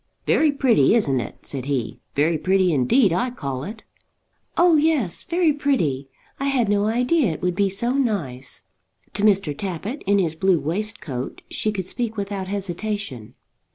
"Very pretty; isn't it?" said he. "Very pretty indeed, I call it." "Oh yes, very pretty. I had no idea it would be so nice." To Mr. Tappitt in his blue waistcoat she could speak without hesitation.